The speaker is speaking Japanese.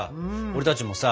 俺たちもさ